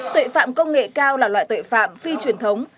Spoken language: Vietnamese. tuệ phạm công nghệ cao là loại tuệ phạm phi truyền thống